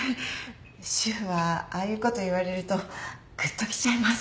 主婦はああいうこと言われるとぐっときちゃいます。